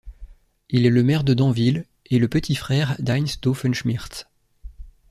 Il est le maire de Danville et le petit frère d'Heinz Doofenshmirtz.